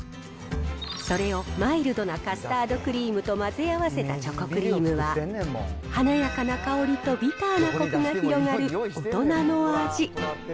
それをマイルドなカスタードクリームと混ぜ合わせたチョコクリームは、華やかな香りとビターなこくが広がる大人の味。